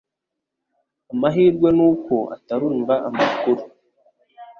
Amahirwe nuko atarumva amakuru.